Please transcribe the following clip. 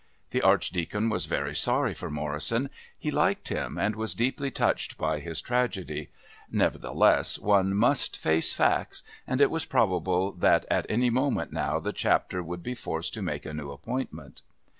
The Archdeacon was very sorry for Morrison. He liked him, and was deeply touched by his tragedy; nevertheless one must face facts; it was probable that at any moment now the Chapter would be forced to make a new appointment.